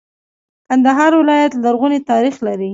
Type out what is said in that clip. کندهار ولایت لرغونی تاریخ لري.